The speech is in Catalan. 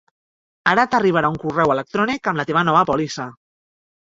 Ara t'arribarà un correu electrònic amb la teva nova pòlissa.